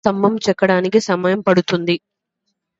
స్తంభం చెక్కడానికి సమయం పడుతుంది